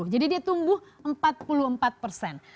jadi dia tumbuh empat puluh empat persen